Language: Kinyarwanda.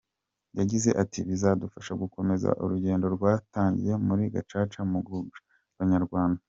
Yagize ati “Bizadufasha gukomeza urugendo twatangiye muri Gacaca mu kunga Abanyarwanda.